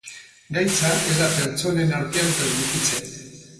Gaitza ez da pertsonen artean transmititzen.